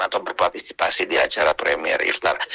atau berpartisipasi di acara premier iftar